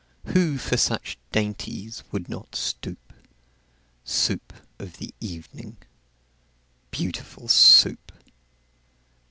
Who for such dainties would not stoop? Soup of the evening, beautiful Soup!